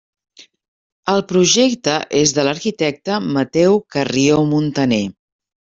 El projecte és de l'arquitecte Mateu Carrió Muntaner.